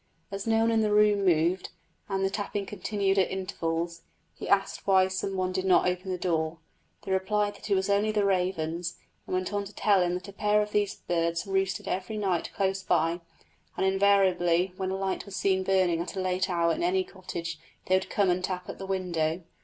As no one in the room moved, and the tapping continued at intervals, he asked why some one did not open the door. They replied that it was only the ravens, and went on to tell him that a pair of these birds roosted every night close by, and invariably when a light was seen burning at a late hour in any cottage they would come and tap at the window.